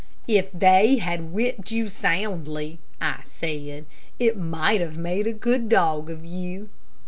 "If they had whipped you soundly," I said, "it might have made a good dog of you."